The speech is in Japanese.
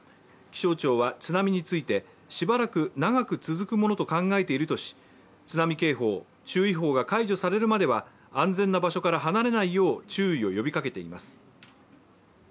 気象庁は津波について、しばらく長く続くものと考えているとし津波警報、注意報が解除されるまでは安全な場所から離れないよう注意を呼びかけています。